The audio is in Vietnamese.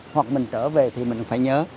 hoặc mình trở về thì mình phải nhớ